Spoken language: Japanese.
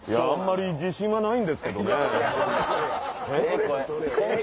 あんまり自信はないんですけどねぇ。